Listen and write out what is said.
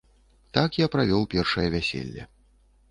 Так я правёў першае вяселле.